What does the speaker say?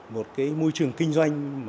một cái môi trường kinh doanh